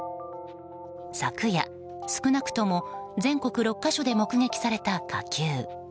昨夜、少なくとも全国６か所で目撃された火球。